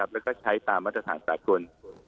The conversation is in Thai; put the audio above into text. แล้วก็ใช้ตามมาตรฐานสากล